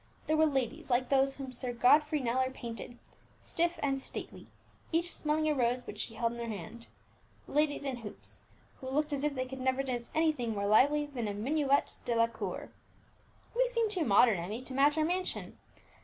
There were ladies like those whom Sir Godfrey Kneller painted, stiff and stately, each smelling a rose which she held in her hand; ladies in hoops, who looked as if they could never dance anything more lively than a minuet de la cour. We seem too modern, Emmie, to match our mansion.